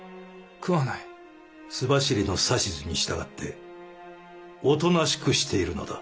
州走りの指図に従っておとなしくしているのだ。